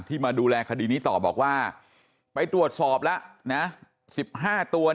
มาดูแลคดีนี้ต่อบอกว่าไปตรวจสอบแล้วนะ๑๕ตัว